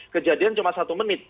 kejadian cuma satu menit